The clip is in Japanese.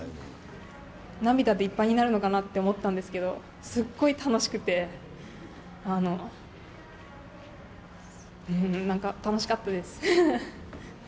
涙でいっぱいになるのかなと思ったんですけど、すっごい楽しくて、なんか楽しかったです。